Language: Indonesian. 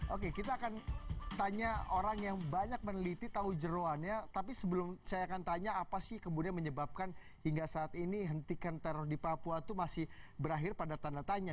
oke kita akan tanya orang yang banyak meneliti tahu jeruannya tapi sebelum saya akan tanya apa sih kemudian menyebabkan hingga saat ini hentikan teror di papua itu masih berakhir pada tanda tanya